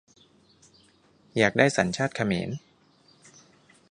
อยากได้สัญชาติเขมร ?